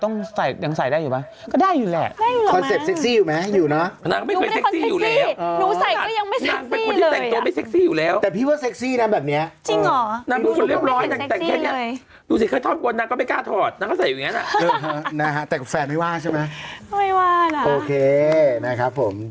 แต่สวยทุกรูปเลยนะแต่สวยทุกรูปเลยขอชมขอชม